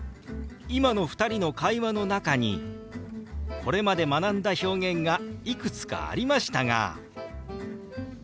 今の２人の会話の中にこれまで学んだ表現がいくつかありましたが分かりました？